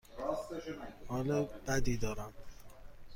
حال بدی دارم.